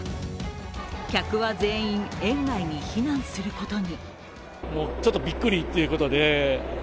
客は全員、園外に避難することに。